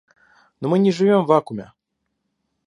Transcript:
Но мы не живем в вакууме.